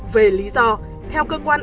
về lý do theo cơ quan